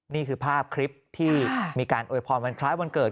นี่คือภาพคลิปที่มีการอวยพรวันคล้ายวันเกิด